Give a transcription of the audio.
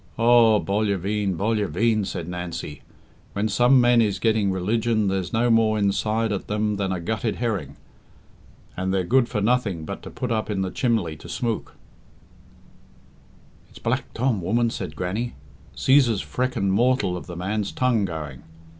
"Aw, bolla veen, bolla veen!" said Nancy. "When some men is getting religion there's no more inside at them than a gutted herring, and they're good for nothing but to put up in the chimley to smook." "It's Black Tom, woman," said Grannie. "Cæsar's freckened mortal of the man's tongue going.